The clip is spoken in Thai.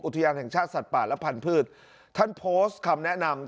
อุทยานแห่งชาติสัตว์ป่าและพันธุ์ท่านโพสต์คำแนะนำ